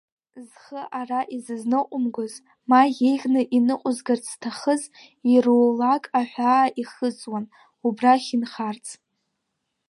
Зхы ара изызныҟәымгоз, ма иеиӷьны иныҟәызгарц зҭахыз, ирулак аҳәаа ихыҵуан, убрахь инхарц.